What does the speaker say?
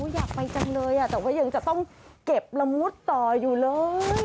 อยากไปจังเลยแต่ว่ายังจะต้องเก็บละมุดต่ออยู่เลย